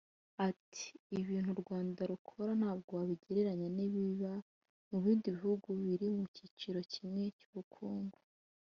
Ati “Ibintu u Rwanda rukora ntabwo wabigereranya n’ibiba mu bindi bihugu biri mu cyiciro kimwe cy’ubukungu